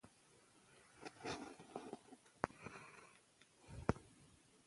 وزیرفتح خان د خپلو ځواکونو لارښوونه وکړه.